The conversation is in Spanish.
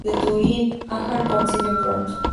Agar concibe pronto.